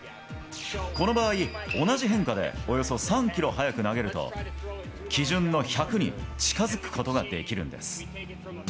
この場合、同じ変化でおよそ３キロ速く投げると、基準の１００に近づくことができるんです。